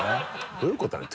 どういうことなのよ